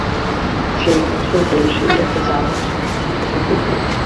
সে এক বছর বয়সী একটা জার্মান শেফার্ডকে প্রশিক্ষণ দিচ্ছে।